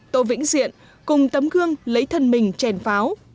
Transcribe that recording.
tô vĩnh diện cùng tấm khương lấy thân mình chèn pháo